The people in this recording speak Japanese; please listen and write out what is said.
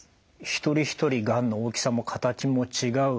一人一人がんの大きさも形も違う。